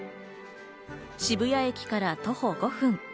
渋谷駅から徒歩５分。